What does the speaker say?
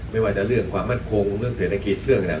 ไม่ว่าจะเรื่องความมั่นคงเรื่องเศรษฐกิจเรื่องอะไร